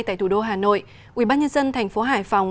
tại thủ đô hà nội ubnd tp hải phòng